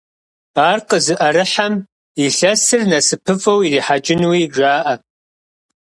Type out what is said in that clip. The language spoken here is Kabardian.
Ар къызыӀэрыхьэм илъэсыр насыпыфӀэу ирихьэкӀынуи жаӀэ.